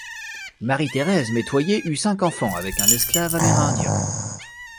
Marie-Thérèse Metoyer eut cinq enfants avec un esclave amérindien.